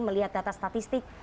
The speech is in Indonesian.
melihat data statistik